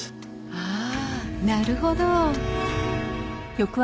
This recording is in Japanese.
ああなるほど。